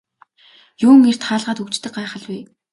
Юун эрт хаалгаа түгждэг гайхал вэ.